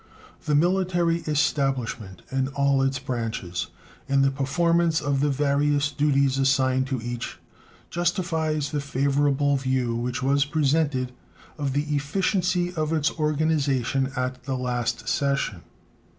The military establishment in all its branches, in the performance of the various duties assigned to each, justifies the favorable view which was presented of the efficiency of its organization at the last session.